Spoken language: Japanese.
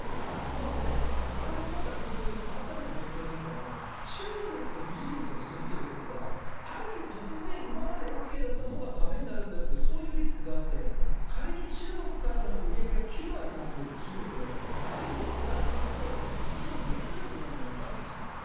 なので、われわれ今回本当に、改めて勉強になったのは、中国とビジネスをするということは、ある日突然、今までＯＫだったものがだめになるんだよという、そういうリスクがあって、仮に中国からの売り上げが９割なんていう企業って、大変リスクがあるっていうことを、肝に銘じなきゃいけないんじゃないかという気がしますね。